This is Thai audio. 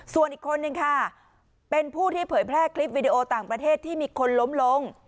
ส่วนอีกคนนึงค่ะเป็นผู้ที่เผยแพร่คลิปวิดีโอต่างประเทศที่มีคนล้มลง